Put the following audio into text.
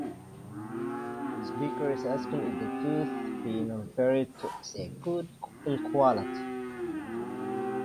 The speaker is asking if the tooth being referred to is good in quality.